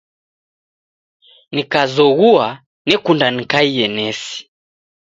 Nikazoghua nekunda nikaie nesi.